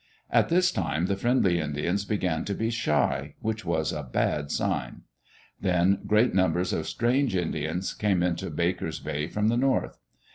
At this time the friendly Indians began to be shy, which was a bad sign. Then great numbers of strange Indians came into Baker's Bay from the north.